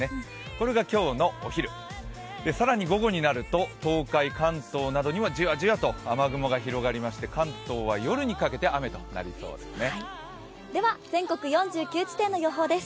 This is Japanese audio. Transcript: これが今日のお昼、更に午後になると東海、関東などにもじわじわと雨雲が広がりまして、関東は夜にかけて雨となりそうですね。